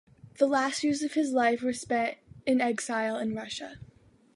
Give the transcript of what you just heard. The last years of his life were spent in exile in Russia.